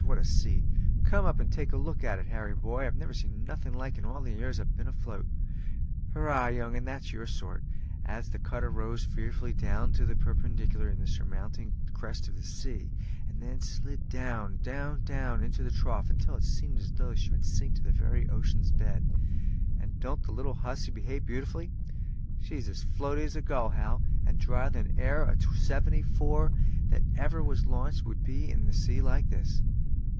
what a sea! come up and take a look at it, Harry, boy; I never see'd nothing like it all the years I've been afloat. Hurrah, young un! that's your sort," as the cutter rose fearfully near to the perpendicular in surmounting the crest of a sea, and then slid down, down, down into the trough, until it seemed as though she would sink to the very ocean's bed. "And don't the little hussy behave beautifully! She's as floaty as a gull, Hal; and drier than e'er a seventy four that ever was launched would be in a sea like this.